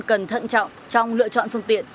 cần thận trọng trong lựa chọn phương tiện